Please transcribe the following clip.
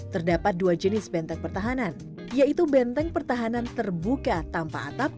terdapat dua jenis benteng pertahanan yaitu benteng pertahanan terbuka tanpa atap